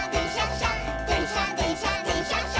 しゃでんしゃでんしゃでんしゃっしゃ」